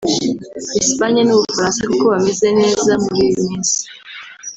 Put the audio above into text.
Espagne n’Ubufaransa kuko bameze neza muri iyi minsi